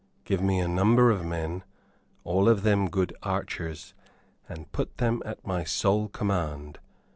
"Give me a number of men, all of them good archers, and put them at my sole command.